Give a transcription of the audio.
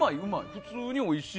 普通においしい。